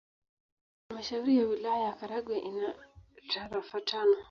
Halmashauri ya Wilaya ya Karagwe ina tarafa tano